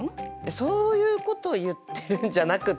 そういうことを言ってるんじゃなくて。